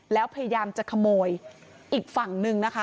แล้วพยายามจะขโมยอีกฝั่งนึงนะคะ